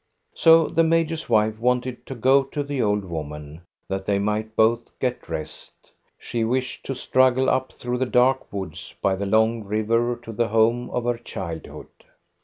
So the major's wife wanted to go to the old woman, that they might both get rest. She wished to struggle up through the dark woods by the long river to the home of her childhood.